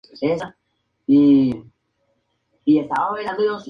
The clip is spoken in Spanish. Nacido en Estocolmo, Suecia, su nombre completo era Gustaf Gideon Wahlberg.